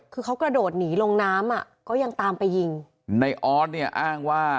คือเขากระโดดหนีลงน้ำอ่ะก็ยังตามไปยิงในออสเนี่ยอ้างว่า